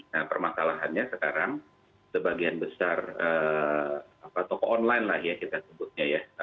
nah permasalahannya sekarang sebagian besar toko online lah ya kita sebutnya ya